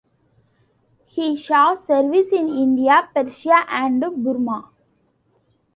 He saw service in India, Persia and Burma.